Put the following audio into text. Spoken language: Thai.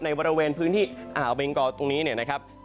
ในบริเวณพื้นที่อาบิงกอลตรงนี้นะครับ